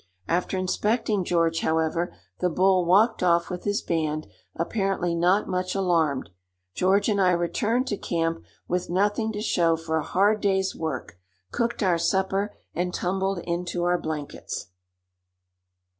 After inspecting George, however, the bull walked off with his band, apparently not much alarmed. George and I returned to camp with nothing to show for a hard day's work, cooked our supper, and tumbled into our blankets.